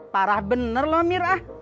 parah bener lo mir ah